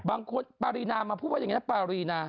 บางคนปารีนามาพูดว่าอย่างนี้นะปารีนา